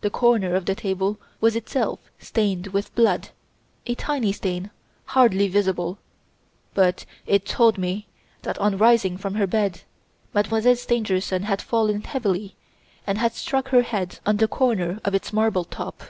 The corner of the table was itself stained with blood a tiny stain hardly visible; but it told me that, on rising from her bed, Mademoiselle Stangerson had fallen heavily and had struck her head on the corner of its marble top.